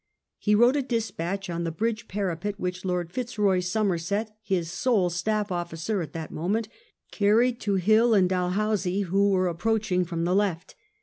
He wrote a dispatch on the bridge parapet^ which Lord Fitzroy Somerset, his sole staff officer at that moment, carried to Hill and Dalhousie who were approaching from the left.